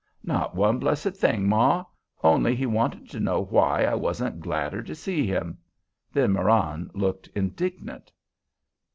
"Not one blessed thing, ma; only he wanted to know why I wasn't gladder to see him." Then Marann looked indignant.